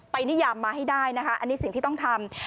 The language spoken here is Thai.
นิยามมาให้ได้นะคะอันนี้สิ่งที่ต้องทำ